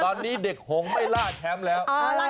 ตอนนี้เด็กหงไม่ล่าแชมป์แล้ว